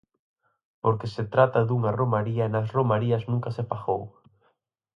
Porque se trata dunha romaría e nas romarías nunca se pagou.